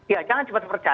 iya jangan cepat percaya